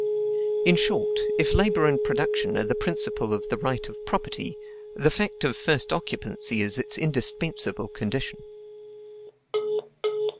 In short, if labor and production are the principle of the right of property, the fact of first occupancy is its indispensable condition.